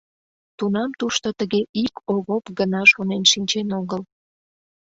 Тунам тушто тыге ик Овоп гына шонен шинчен огыл.